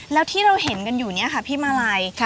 แล้วที่เราเห็นกันอยู่เนี่ยค่ะพี่มาลัย